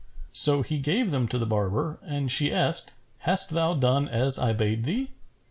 So he gave them to the barber and she asked, "Hast thou done as I bade thee?"